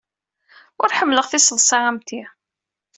Ur ḥemmleɣ tiseḍsa am ti.